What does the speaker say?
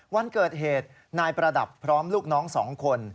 วันเกิดเหตุนายประดับพร้อมลูกน้อง๒คน